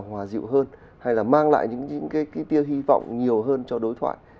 hòa dịu hơn hay là mang lại những cái tiêu hy vọng nhiều hơn cho đối thoại